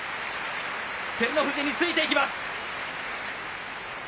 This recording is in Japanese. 照ノ富士についていきます。